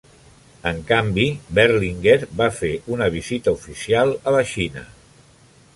En canvi, Berlinguer va fer una visita oficial a la Xina.